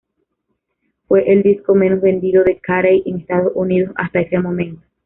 Fue el disco menos vendido de Carey en Estados Unidos hasta ese momento.